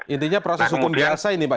intinya proses hukum biasa ini pak